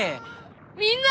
みんな！